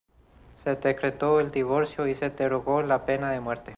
Se decretó el divorcio y se derogó la pena de muerte.